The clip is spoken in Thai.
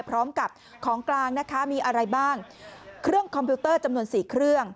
พร้อมกับของกลางนะคะมีอะไรบ้างเครื่องคอมพิวเตอร์จำนวนสี่เครื่อง